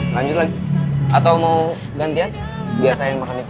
lanjut lagi atau mau gantian biasa yang makan itu